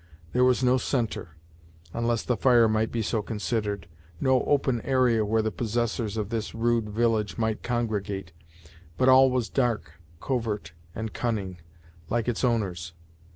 There was no centre, unless the fire might be so considered, no open area where the possessors of this rude village might congregate, but all was dark, covert and cunning, like its owners.